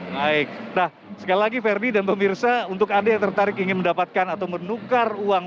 baik nah sekali lagi ferdi dan pemirsa untuk anda yang tertarik ingin mendapatkan atau menukar uang